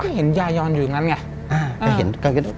ก็เห็นยายอนอยู่ตรงนั้นไง